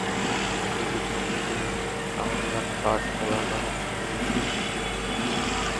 এতে কিছু অংশে আমন ধান, পাট, কলার বাগানসহ বিভিন্ন সবজি নষ্ট হচ্ছে।